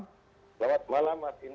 selamat malam mas indra